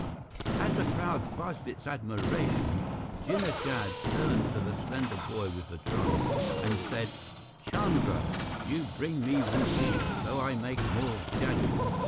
As the crowd buzzed its admiration, Jinnah Jad turned to the slender boy with the drum and said, "Chandra, you bring me rupees, so I make more jadoo."